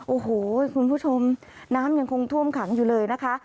โอ้โหคุณผู้ชมน้ำยังคงท่วมขังอยู่เลยนะคะ